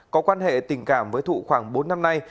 có quan hệ tình cảm với thụ khoảng bốn năm nay